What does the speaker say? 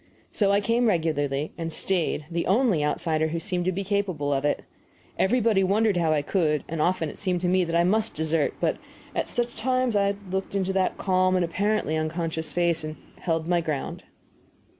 So I came regularly, and stayed the only outsider who seemed to be capable of it. Everybody wondered how I could; and often it seemed to me that I must desert, but at such times I looked into that calm and apparently unconscious face, and held my ground.